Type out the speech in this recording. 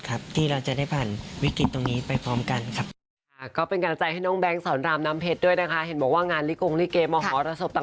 การแปลงปันในช่วงนี้ถือว่าเป็นการให้กำลังใจที่ดีที่สุดครับ